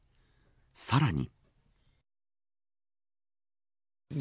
さらに。